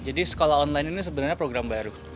jadi sekolah online ini sebenarnya program baru